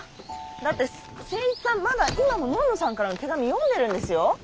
だって誠一さんまだ今ものんのさんからの手紙読んでるんですよ。